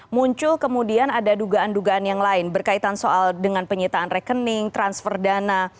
muncul kemudian ada dugaan dugaan yang lain berkaitan soal dengan penyitaan rekening transfer dana